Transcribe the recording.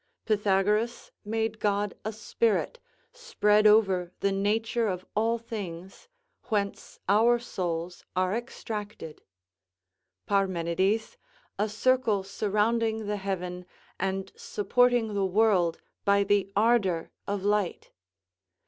Pythagoras made God a spirit, spread over the nature of all things, whence our souls are extracted; Parmenides, a circle surrounding the heaven, and supporting the world by the ardour of light.